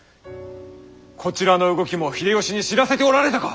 こちらの動きも秀吉に知らせておられたか！